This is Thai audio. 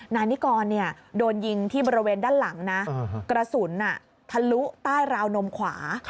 นายนิกรโดนยิงที่บริเวณด้านหลังนะกระสุนทะลุใต้ราวนมขวา